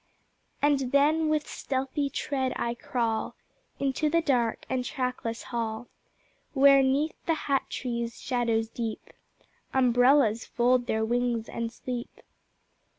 And then with stealthy tread I crawl Into the dark and trackless hall, Where 'neath the Hat tree's shadows deep Umbrellas fold their wings and sleep.